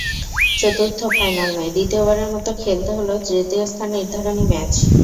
চতুর্থ ফাইনাল নয়, দ্বিতীয়বারের মতো খেলতে হলো তৃতীয় স্থান নির্ধারণী ম্যাচ।